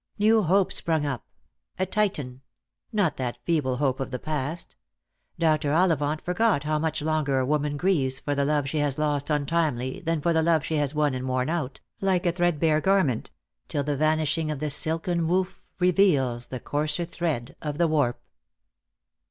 New hope sprung up — a Titan ; not that feeble hope of the past. Dr. Ollivant forgot how much longer a woman grieves for the love she has lost untimely than for the love she has won and worn out, like a threadbare garment — till the vanishing of the silken woof reveals the coarser thread of the "■*arp.